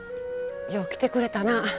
よう来てくれたなぁ。